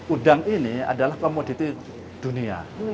udang ini adalah komoditi dunia